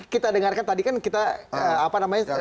kita dengarkan tadi kan kita apa namanya